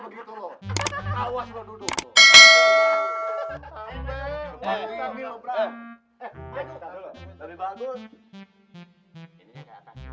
jangan selalu begitu loh